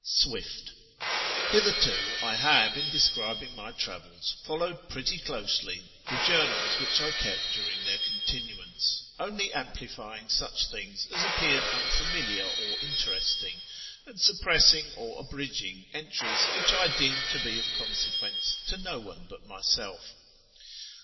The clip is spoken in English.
— Swift. Hitherto I have, in describing my travels, followed pretty closely the journals which I kept during their continuance, only amplifying such things as appeared unfamiliar or interesting, and suppressing or abridging entries which I deemed to be of consequence to no one but myself.